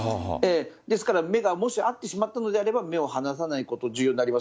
ですから、目がもし合ってしまったのであれば、目を離さないこと、重要になります。